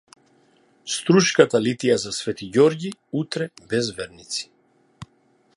Струшката литија за свети Ѓорги утре без верници